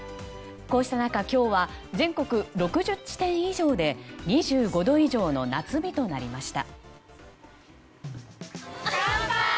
こうした中今日は全国６０地点以上で２５度以上の夏日となりました。